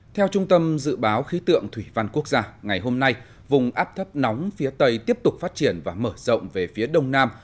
theo trung tâm dự báo khí tượng thủy văn quốc gia ngày hôm nay vùng áp thấp nóng phía tây tiếp tục phát triển và mở rộng về phía đông nam